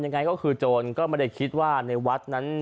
ยังไงก็คือโจรก็ไม่ได้คิดว่าในวัดนั้น